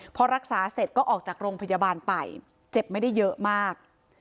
พอรักษาเสร็จก็ออกจากโรงพยาบาลไปเจ็บไม่ได้เยอะมาก